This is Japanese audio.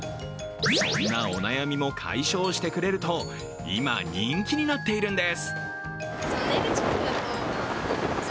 そんなお悩みも解消してくれると、今、人気になっているんです。